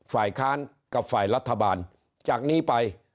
ฝ่ายค้านกับฝ่ายรัฐบาลจากนี้ไป